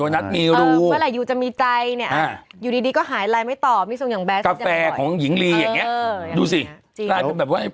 โดนัทมีรูเออเวลาอู๋จะมีใจเนี้ยอ่าอยู่ดีดีก็หายลายไม่ตอบมีส่วนอย่างแบบกาแฟของหญิงลีอย่างเงี้ยเออดูสิแบบว่า